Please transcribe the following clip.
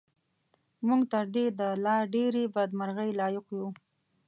موږ تر دې د لا ډېرې بدمرغۍ لایق یو.